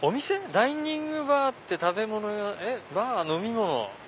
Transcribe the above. ダイニングバーって食べ物屋バー飲み物。